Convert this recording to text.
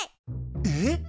えっ！？